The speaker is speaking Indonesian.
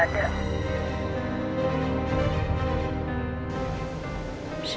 dia udah pergi